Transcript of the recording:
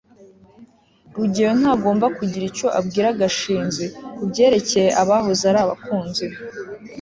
rugeyo ntagomba kugira icyo abwira gashinzi kubyerekeye abahoze ari abakunzi be